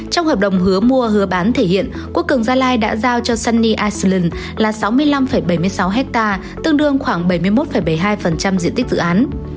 trong hợp đồng hứa mua hứa bán thể hiện quốc cường gia lai đã giao cho sunny iceland là sáu mươi năm bảy mươi sáu hectare tương đương khoảng bảy mươi một bảy mươi hai diện tích dự án